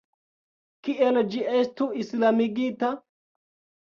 Kiel ĝi estu islamigita?